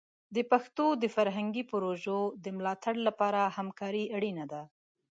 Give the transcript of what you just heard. د پښتو د فرهنګي پروژو د ملاتړ لپاره همکاري اړینه ده.